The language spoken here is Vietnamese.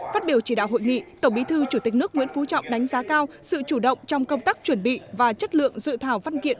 phát biểu chỉ đạo hội nghị tổng bí thư chủ tịch nước nguyễn phú trọng đánh giá cao sự chủ động trong công tác chuẩn bị và chất lượng dự thảo văn kiện